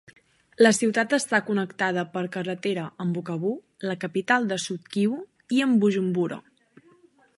La ciutat està connectada per carretera amb Bukavu, la capital de Sud-Kivu, i amb Bujumbura.